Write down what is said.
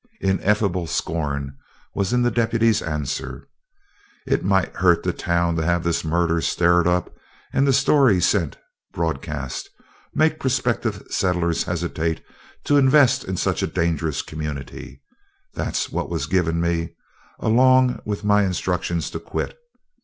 Ineffable scorn was in the deputy's answer: "It might hurt the town to have this murder stirred up and the story sent broadcast make prospective settlers hesitate to invest in such a dangerous community that's what was given me, along with my instructions to quit.